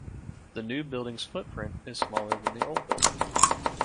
The new building's footprint is smaller than the old building.